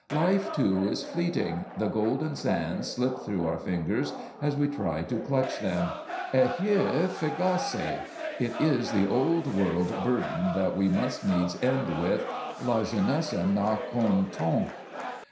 Life, too, is fleeting; the golden sands slip through our fingers as we try to clutch them. Eheu fugaces! It is the old world burden that we must needs end with—"La jeunesse n'a qu'un temps!"